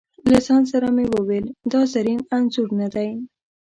له ځانه سره مې وویل: دا زرین انځور نه دی.